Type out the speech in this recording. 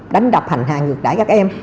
đánh đập hành hạ ngược đải các em